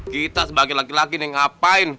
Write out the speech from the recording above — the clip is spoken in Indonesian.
kita sebagai laki laki nih ngapain